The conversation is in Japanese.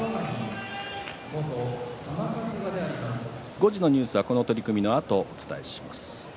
５時のニュースはこの取組のあとお伝えします。